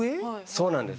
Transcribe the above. そうなんです。